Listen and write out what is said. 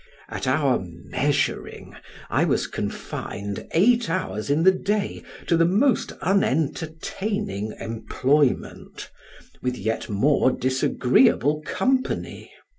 At our measuring, I was confined eight hours in the day to the most unentertaining employment, with yet more disagreeable company.